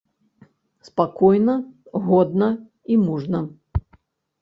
Спакойна, годна і мужна.